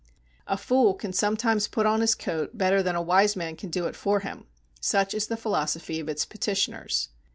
"A fool can sometimes put on his coat better than a wise man can do it for him," such is the philosophy of its petitioners.